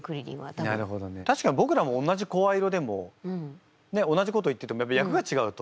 たしかにぼくらも同じ声色でも同じこと言ってても役が違うと。